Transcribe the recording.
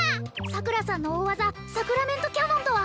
桜さんの大技サクラメントキャノンとは？